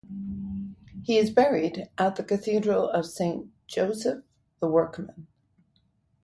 He is buried at the Cathedral of Saint Joseph the Workman.